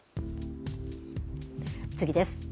次です。